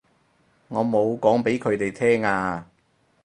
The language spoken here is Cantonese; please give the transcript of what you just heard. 我冇講畀佢哋聽啊